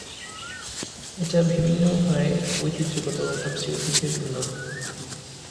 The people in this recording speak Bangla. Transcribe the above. এটা বিভিন্ন উপায়ে ঐতিহ্যগত তাফসীর থেকে থেকে ভিন্ন।